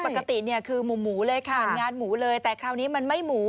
ปกติเนี่ยคือหมูเลยค่ะงานหมูเลยแต่คราวนี้มันไม่หมู